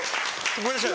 ごめんなさい。